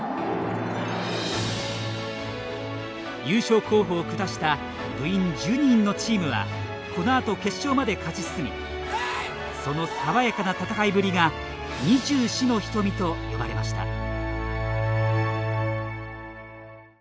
優勝候補を下した部員１２人のチームはこのあと決勝まで勝ち進みそのさわやかな戦いぶりが「２４の瞳」と呼ばれました。